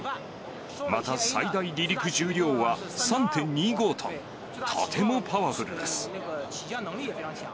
また、最大離陸重量は３．２５トン、とてもパワフルです。